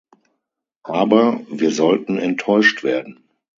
Aber wir sollten enttäuscht werden.